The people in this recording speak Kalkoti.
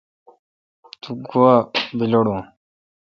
تو گوا بیلڑون۔